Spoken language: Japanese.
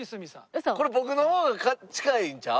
これ僕の方が近いんちゃう？